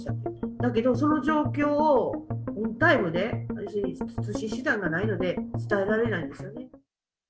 だけど、その状況をオンタイムで、要するに通信手段がないので、伝えられないんですよね。